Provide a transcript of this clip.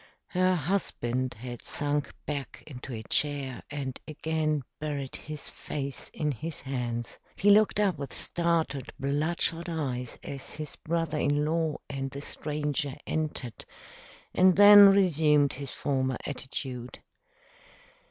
Her husband had sunk back into a chair and again buried his face in his hands. He looked up with startled, bloodshot eyes as his brother in law and the stranger entered, and then resumed his former attitude.